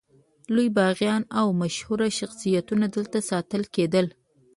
لوی باغیان او مشهور شخصیتونه دلته ساتل کېدل.